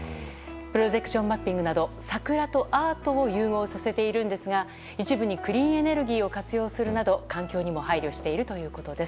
プロジェクションマッピングなど桜とアートを融合させているんですが一部にクリーンエネルギーを活用するなど、環境にも配慮しているということです。